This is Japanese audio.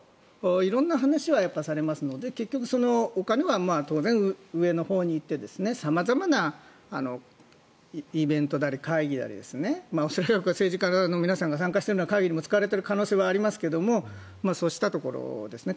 色んな話はされますので結局、そのお金は当然、上のほうに行って様々なイベントなり会議なり恐らくは政治家の皆さんが参加されているような会議にも使われている可能性はありますがそうしたところですね。